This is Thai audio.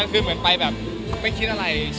มันคือเหมือนแบบไปแบบจิ๊ดเมียสัก่าเมตร